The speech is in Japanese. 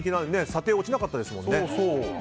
査定も落ちなかったですもんね。